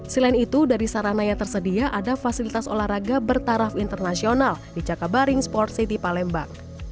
selain itu dari sarana yang tersedia ada fasilitas olahraga bertaraf internasional di cakabaring sport city palembang